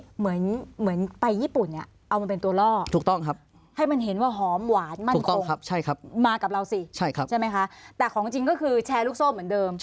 อันนี้เหมือนไปญี่ปุ่นเอามันเป็นตัวล่อให้มันเห็นว่าหอมหวานมั่นโขงมากับเราสิใช่ไหมคะแต่ของจริงก็คือแชร์ลูกโซ่เหมือนเดิม